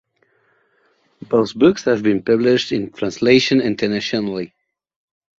Both books have been published in translation internationally.